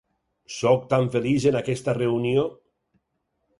Soc tan feliç en aquesta reunió!